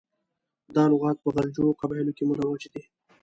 دا لغات په غلجو قبایلو کې مروج دی.